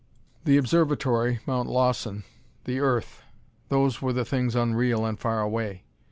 The observatory Mount Lawson the earth! those were the things unreal and far away.